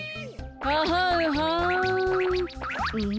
「ははんはん」ん？